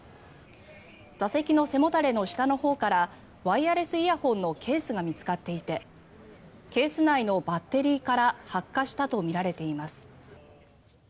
座席の背もたれの下のほうからワイヤレスイヤホンのケースが見つかっていてケース内のバッテリーから発火したとみられています。